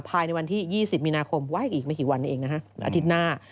ภายในวันที่๒๐มีนาคมว่าอีกไม่กี่วันนี้เองนะฮะอาทิตย์หน้า